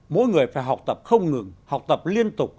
mỗi người phải học tập không ngừng học tập liên tục